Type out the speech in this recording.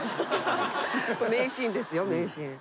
名シーンですよ名シーン。